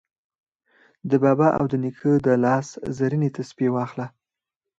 د بابا او د نیکه د لاس زرینې تسپې واخله